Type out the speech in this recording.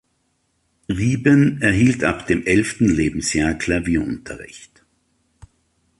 Rieben erhielt ab dem elften Lebensjahr Klavierunterricht.